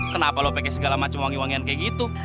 kenapa lo pakai segala macam wangi wangian kayak gitu